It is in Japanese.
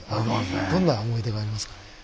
どんな思い出がありますかね？